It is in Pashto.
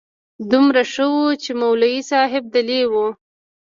دومره ښه و چې مولوي صاحب دلې و.